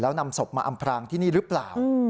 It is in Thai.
แล้วนำศพมาอำพรางที่นี่หรือเปล่า